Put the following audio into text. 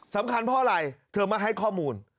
เพราะอะไรเธอมาให้ข้อมูล